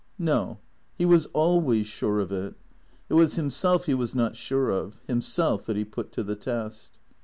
No ; he was always sure of it. It was himself he was not sure of; himself that he put to the test.